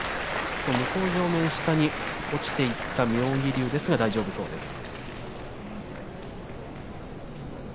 向正面下に落ちていった妙義龍ですが大丈夫そうです。